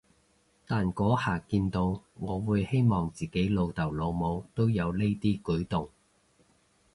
但嗰下見到，我會希望自己老豆老母都有呢啲舉動